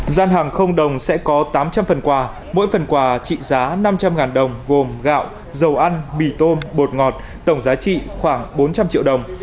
gian hàng không đồng sẽ có tám trăm linh phần quà mỗi phần quà trị giá năm trăm linh đồng gồm gạo dầu ăn mì tôm bột ngọt tổng giá trị khoảng bốn trăm linh triệu đồng